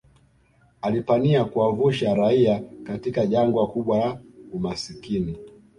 alipania kuwavuusha raia katika jangwa kubwa la umasikini